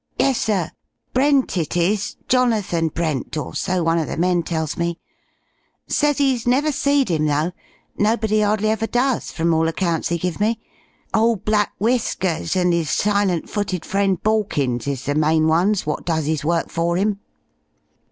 "Yessir. Brent it is, Jonathan Brent, or so one of the men tells me. Says he's never seed 'im, though; nobody 'ardly ever does, from all accounts 'e give me. Ole Black Whiskers and our silent footed friend Borkins is the main ones wot does 'is work for 'im."